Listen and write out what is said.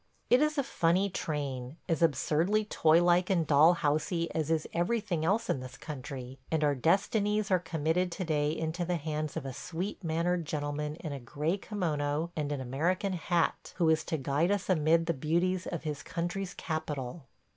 It is a funny train, as absurdly toy like and doll housey as is everything else in this country; and our destinies are committed to day into the hands of a sweet mannered gentleman in a gray kimono and an American hat, who is to guide us amid the beauties of his country's capital.